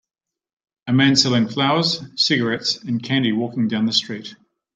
A man selling flowers, cigarettes, and candy walking down the street.